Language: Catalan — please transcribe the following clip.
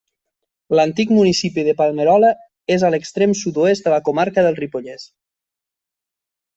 L'antic municipi de Palmerola és a l'extrem sud-oest de la comarca del Ripollès.